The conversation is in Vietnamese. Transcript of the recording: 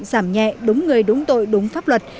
giảm nhẹ đúng người đúng tội đúng pháp luật